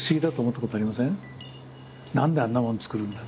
何であんなもの作るんだ？